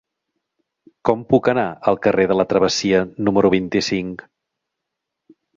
Com puc anar al carrer de la Travessia número vint-i-cinc?